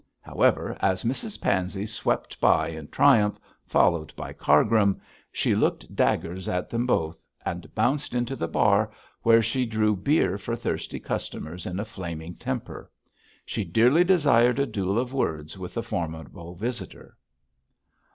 However, as Mrs Pansey swept by in triumph, followed by Cargrim, she looked daggers at them both, and bounced into the bar, where she drew beer for thirsty customers in a flaming temper. She dearly desired a duel of words with the formidable visitor.